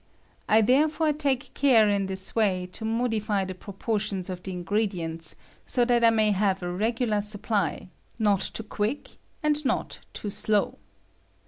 I therefore take care in thia way to modify the proportions of the ingredients so that I may have a regular supply — not too quick and not too slow.